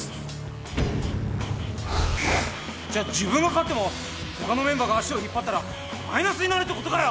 じゃあ自分が勝ってもほかのメンバーが足を引っ張ったらマイナスになるってことかよ！